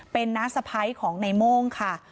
เป็นน้าสะพ้ายของในโม่งค่ะ